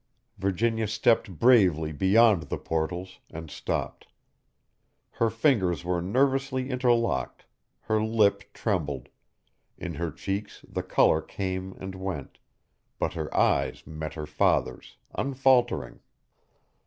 Virginia stepped bravely beyond the portals, and stopped. Her fingers were nervously interlocked, her lip trembled, in her cheeks the color came and went, but her eyes met her father's, unfaltering.